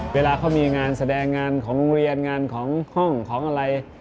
เวลาเขามีงานแสดงงานของโรงเรียนงานของห้องของอะไร